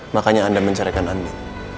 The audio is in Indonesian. makanya anda mencarikan andin